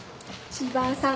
千葉さん